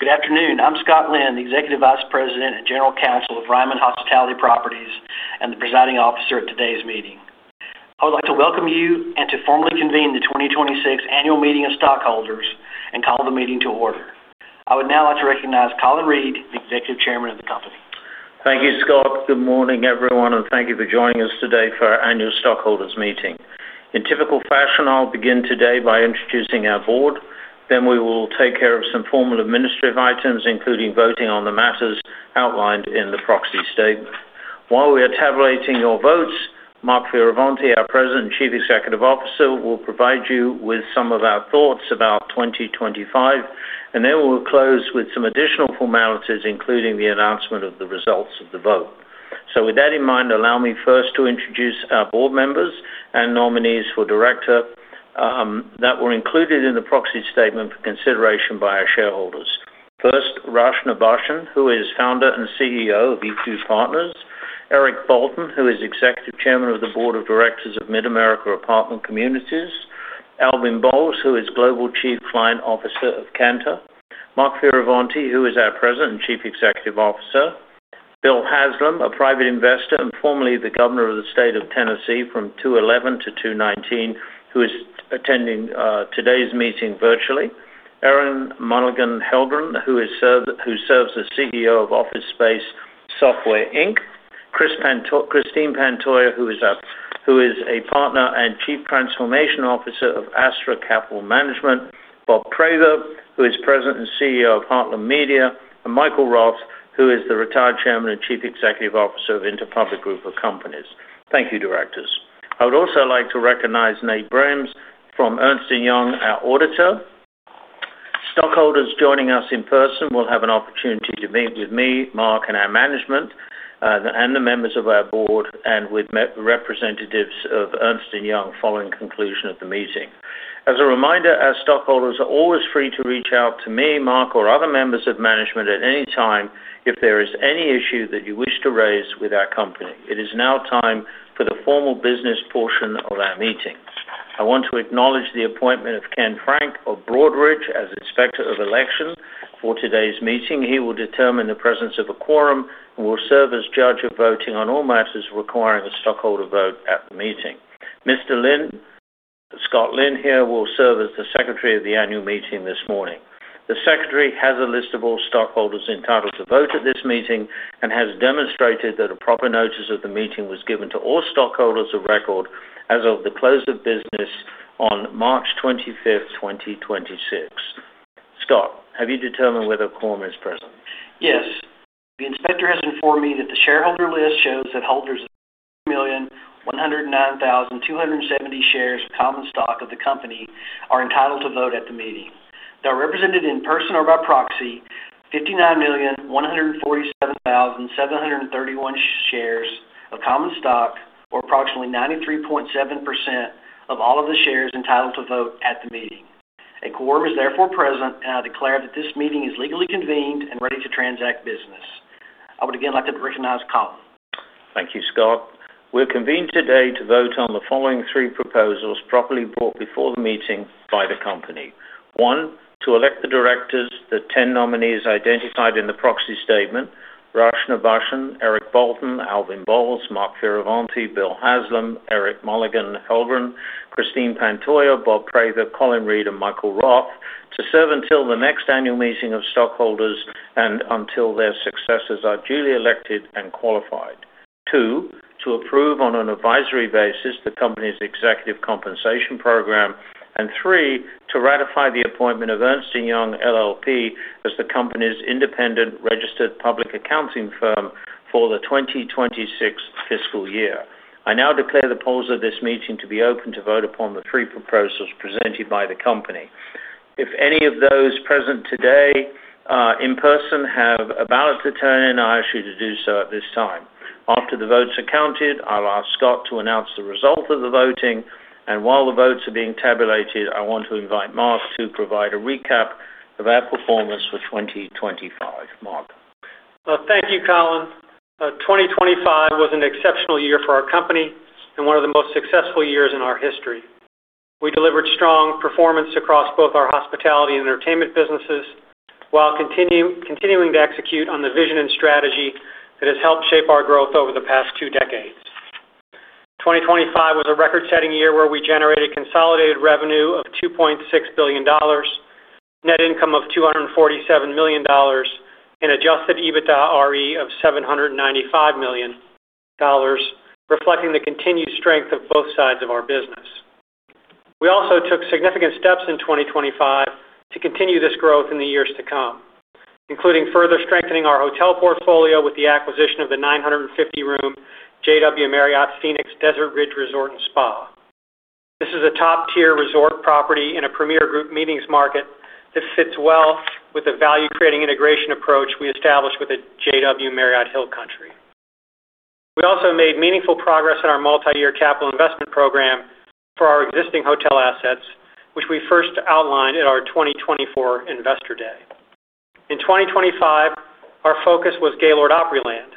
Good afternoon. I'm Scott Lynn, the Executive Vice President and General Counsel of Ryman Hospitality Properties and the presiding officer at today's meeting. I would like to welcome you and to formally convene the 2026 Annual Meeting of Stockholders and call the meeting to order. I would now like to recognize Colin Reed, the Executive Chairman of the company. Thank you, Scott. Good morning, everyone, and thank you for joining us today for our annual stockholders meeting. In typical fashion, I'll begin today by introducing our board, then we will take care of some formal administrative items, including voting on the matters outlined in the proxy statement. While we are tabulating your votes, Mark Fioravanti, our President and Chief Executive Officer, will provide you with some of our thoughts about 2025, and then we'll close with some additional formalities, including the announcement of the results of the vote. With that in mind, allow me first to introduce our board members and nominees for director that were included in the proxy statement for consideration by our shareholders. First, Rachna Bhasin, who is founder and CEO of EQ Partners. Eric Bolton, who is Executive Chairman of the Board of Directors of Mid-America Apartment Communities. Alvin Bowles, who is Global Chief Client Officer of Kantar. Mark Fioravanti, who is our President and Chief Executive Officer. Bill Haslam, a private investor and formerly the governor of the state of Tennessee from 2011 to 2019, who is attending today's meeting virtually. Erin Mulligan Helgren, who serves as CEO of OfficeSpace Software Inc. Christine Pantoya, who is a Partner and Chief Transformation Officer of Astra Capital Management. Bob Prather, who is President and CEO of Heartland Media. And Michael Roth, who is the retired Chairman and Chief Executive Officer of Interpublic Group of Companies. Thank you, directors. I would also like to recognize Nate Brahms from Ernst & Young, our auditor. Stockholders joining us in person will have an opportunity to meet with me, Mark, and our management, and the members of our board, and with representatives of Ernst & Young following conclusion of the meeting. As a reminder, our stockholders are always free to reach out to me, Mark, or other members of management at any time if there is any issue that you wish to raise with our company. It is now time for the formal business portion of our meeting. I want to acknowledge the appointment of Ken Frank of Broadridge as Inspector of Election for today's meeting. He will determine the presence of a quorum and will serve as judge of voting on all matters requiring a stockholder vote at the meeting. Mr. Lynn, Scott Lynn here will serve as the Secretary of the annual meeting this morning. The secretary has a list of all stockholders entitled to vote at this meeting and has demonstrated that a proper notice of the meeting was given to all stockholders of record as of the close of business on March 25th, 2026. Scott, have you determined whether a quorum is present? Yes. The inspector has informed me that the shareholder list shows that holders of 1,109,270 shares of common stock of the company are entitled to vote at the meeting. They are represented in person or by proxy 59,147,731 shares of common stock, or approximately 93.7% of all of the shares entitled to vote at the meeting. A quorum is therefore present, and I declare that this meeting is legally convened and ready to transact business. I would again like to recognize Colin. Thank you, Scott. We're convened today to vote on the following three proposals properly brought before the meeting by the company. One, to elect the directors, the 10 nominees identified in the proxy statement, Rachna Bhasin, Eric Bolton, Alvin Bowles, Mark Fioravanti, Bill Haslam, Erin Mulligan Helgren, Christine Pantoya, Bob Prather, Colin Reed, and Michael Roth, to serve until the next annual meeting of stockholders and until their successors are duly elected and qualified. Two, to approve on an advisory basis the company's executive compensation program. Three, to ratify the appointment of Ernst & Young LLP as the company's independent registered public accounting firm for the 2026 fiscal year. I now declare the polls of this meeting to be open to vote upon the three proposals presented by the company. If any of those present today, in person have a ballot to turn in, I ask you to do so at this time. After the votes are counted, I'll ask Scott to announce the result of the voting, and while the votes are being tabulated, I want to invite Mark to provide a recap of our performance for 2025. Mark. Well, thank you, Colin. 2025 was an exceptional year for our company and one of the most successful years in our history. We delivered strong performance across both our hospitality and entertainment businesses while continuing to execute on the vision and strategy that has helped shape our growth over the past two decades. 2025 was a record-setting year where we generated consolidated revenue of $2.6 billion, net income of $247 million, and Adjusted EBITDAre of $795 million, reflecting the continued strength of both sides of our business. We also took significant steps in 2025 to continue this growth in the years to come, including further strengthening our hotel portfolio with the acquisition of the 950-room JW Marriott Phoenix Desert Ridge Resort & Spa. This is a top-tier resort property in a premier group meetings market that fits well with the value-creating integration approach we established with the JW Marriott Hill Country. We also made meaningful progress in our multi-year capital investment program for our existing hotel assets, which we first outlined at our 2024 Investor Day. In 2025, our focus was Gaylord Opryland,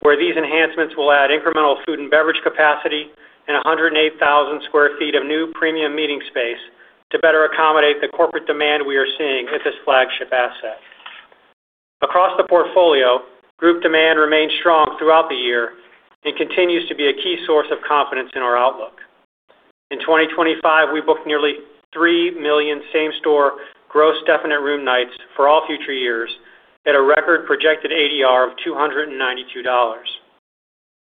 where these enhancements will add incremental food and beverage capacity and 108,000 square feet of new premium meeting space to better accommodate the corporate demand we are seeing at this flagship asset. Across the portfolio, group demand remained strong throughout the year and continues to be a key source of confidence in our outlook. In 2025, we booked nearly 3 million same-store gross definite room nights for all future years at a record projected ADR of $292.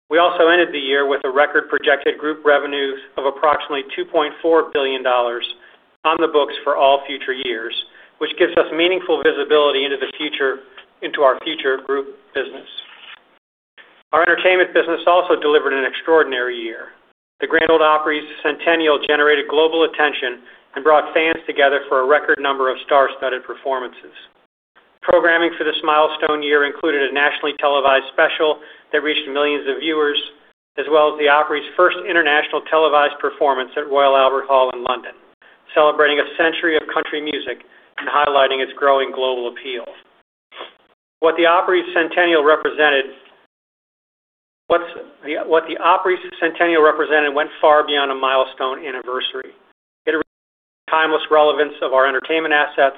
We also ended the year with a record projected group revenue of approximately $2.4 billion on the books for all future years, which gives us meaningful visibility into our future group business. Our entertainment business also delivered an extraordinary year. The Grand Ole Opry's centennial generated global attention and brought fans together for a record number of star-studded performances. Programming for this milestone year included a nationally televised special that reached millions of viewers, as well as the Opry's first international televised performance at Royal Albert Hall in London, celebrating a century of country music and highlighting its growing global appeal. What the Opry's centennial represented went far beyond a milestone anniversary. Its timeless relevance of our entertainment assets,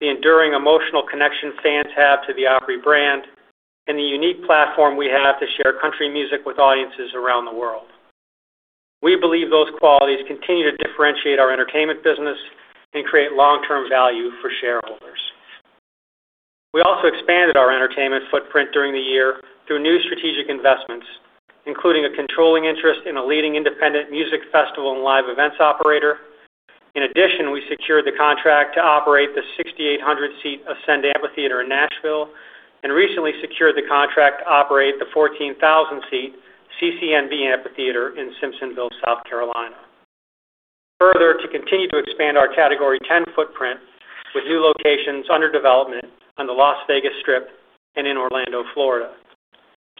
the enduring emotional connection fans have to the Opry brand, and the unique platform we have to share country music with audiences around the world. We believe those qualities continue to differentiate our entertainment business and create long-term value for shareholders. We also expanded our entertainment footprint during the year through new strategic investments, including a controlling interest in a leading independent music festival and live events operator. We secured the contract to operate the 6,800 seat Ascend Amphitheater in Nashville, and recently secured the contract to operate the 14,000 seat CCNB Amphitheatre in Simpsonville, South Carolina. To continue to expand our Category 10 footprint with new locations under development on the Las Vegas Strip and in Orlando, Florida.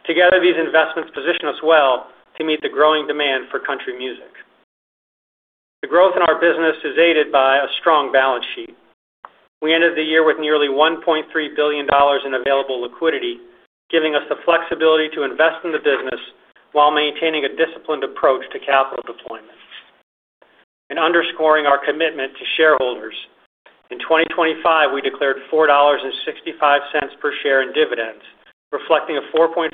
Together, these investments position us well to meet the growing demand for country music. The growth in our business is aided by a strong balance sheet. We ended the year with nearly $1.3 billion in available liquidity, giving us the flexibility to invest in the business while maintaining a disciplined approach to capital deployment. In underscoring our commitment to shareholders, in 2025, we declared $4.65 per share in dividends, reflecting a 4.5%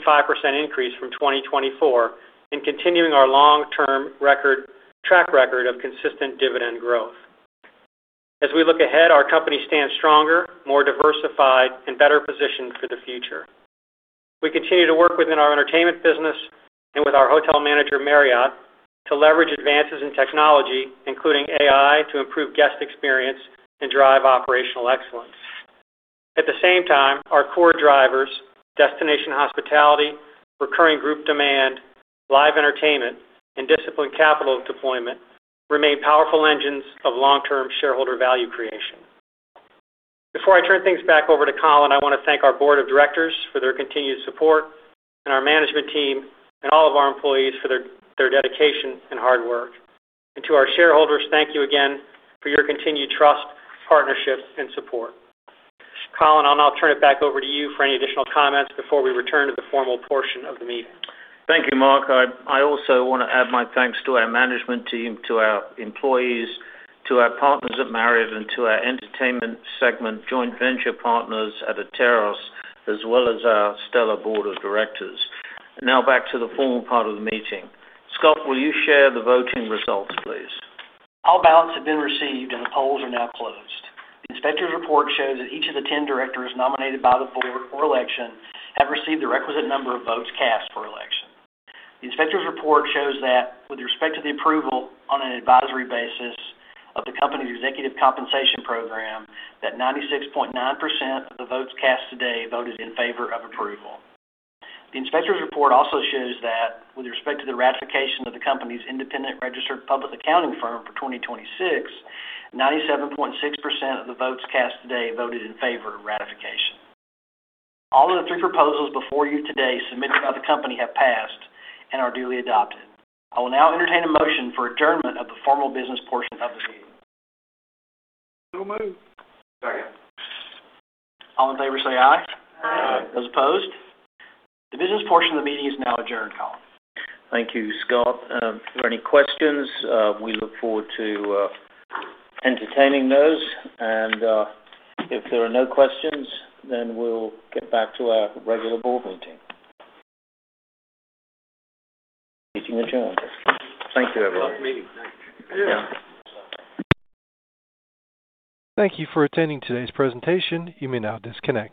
increase from 2024, and continuing our long-term track record of consistent dividend growth. As we look ahead, our company stands stronger, more diversified, and better positioned for the future. We continue to work within our entertainment business and with our hotel manager, Marriott, to leverage advances in technology, including AI, to improve guest experience and drive operational excellence. At the same time, our core drivers, destination hospitality, recurring group demand, live entertainment, and disciplined capital deployment, remain powerful engines of long-term shareholder value creation. Before I turn things back over to Colin, I wanna thank our board of directors for their continued support and our management team and all of our employees for their dedication and hard work. To our shareholders, thank you again for your continued trust, partnership, and support. Colin, I'll now turn it back over to you for any additional comments before we return to the formal portion of the meeting. Thank you, Mark. I also want to add my thanks to our management team, to our employees, to our partners at Marriott, and to our entertainment segment joint venture partners at Atairos, as well as our stellar board of directors. Now back to the formal part of the meeting. Scott, will you share the voting results, please? All ballots have been received, and the polls are now closed. The inspector's report shows that each of the 10 directors nominated by the board for election have received the requisite number of votes cast for election. The inspector's report shows that with respect to the approval on an advisory basis of the company's executive compensation program, that 96.9% of the votes cast today voted in favor of approval. The inspector's report also shows that with respect to the ratification of the company's independent registered public accounting firm for 2026, 97.6% of the votes cast today voted in favor of ratification. All of the three proposals before you today submitted by the company have passed and are duly adopted. I will now entertain a motion for adjournment of the formal business portion of the meeting. Moved. Second. All in favor say aye. Aye. Those opposed. The business portion of the meeting is now adjourned, Colin. Thank you, Scott. If there are any questions, we look forward to entertaining those. If there are no questions, we'll get back to our regular board meeting. Meeting adjourned. Thank you, everyone. Thank you. Thank you. Thank you for attending today's presentation. You may now disconnect.